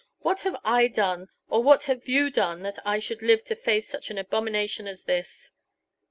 What have I done or what have you done that I should live to face such an abomination as this?"